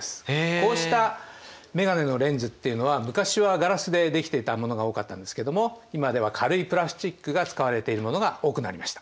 こうした眼鏡のレンズっていうのは昔はガラスでできていたものが多かったんですけども今では軽いプラスチックが使われているものが多くなりました。